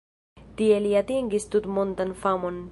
Tie li atingis tutmondan famon.